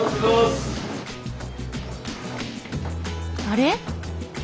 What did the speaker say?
あれ？